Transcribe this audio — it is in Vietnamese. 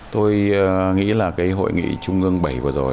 tôi nghĩ là cái hội nghị trung ương bảy vừa rồi của đảng này